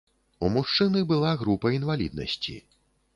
У мужчыны была група інваліднасці.